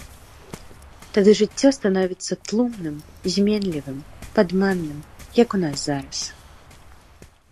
Тады жыццё становіцца тлумным, зменлівым, падманным, як у нас зараз.